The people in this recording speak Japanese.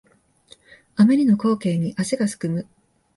あまりの光景に足がすくむ